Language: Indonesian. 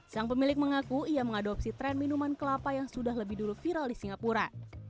sang pemilik mengaku ia mengadopsi tren minuman kelapa yang sudah lebih dulu viral di singapura